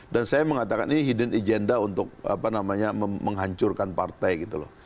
dan saya mengatakan ini agenda hidup untuk apa namanya menghancurkan partai gitu loh